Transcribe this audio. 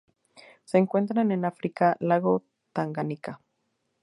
Se encuentran en África: lago Tanganica.